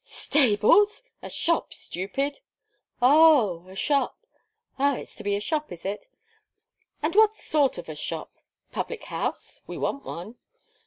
"Stables! a shop, stupid!" "Oh! a shop! Ah! it's to be a shop, is it? And what sort of a shop public house? We want one."